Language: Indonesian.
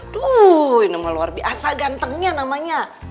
duh ini luar biasa gantengnya namanya